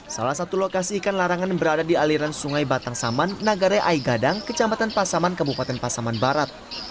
salah satu lokasi ikan larangan berada di aliran sungai batang saman nagare aigadang kecamatan pasaman kabupaten pasaman barat